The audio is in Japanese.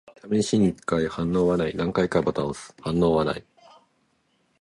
試しに一回。反応はない。何回かボタンを押す。反応はない。